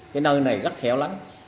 cái nơi này rất khéo lắm